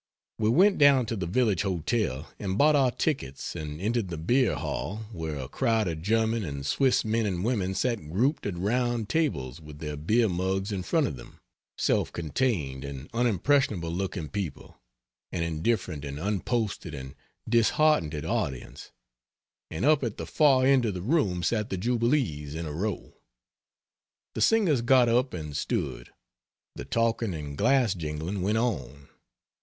We went down to the village hotel and bought our tickets and entered the beer hall, where a crowd of German and Swiss men and women sat grouped at round tables with their beer mugs in front of them self contained and unimpressionable looking people, an indifferent and unposted and disheartened audience and up at the far end of the room sat the Jubilees in a row. The Singers got up and stood the talking and glass jingling went on.